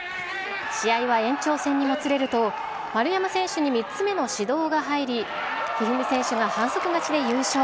試合は延長戦にもつれると、丸山選手に３つ目の指導が入り、一二三選手が反則勝ちで優勝。